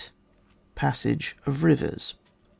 PASSAGE OF RIVERS 1.